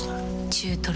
中トロ。